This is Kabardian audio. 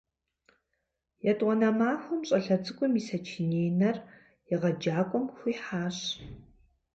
Етӏуанэ махуэм щӏалэ цӏыкӏум и сочиненэр егъэджакӏуэм хуихьащ.